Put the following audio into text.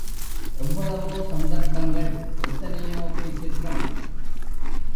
எவ்வளவோ சந்தர்ப்பங்கள் எத்தனையோ பேச்சுக்கள்.